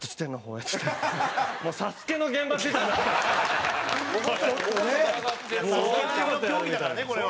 山崎：『ＳＡＳＵＫＥ』並みの競技だからね、これは。